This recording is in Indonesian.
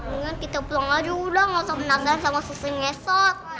mungkin kita pulang aja udah gausah penasaran sama sesuai ngesot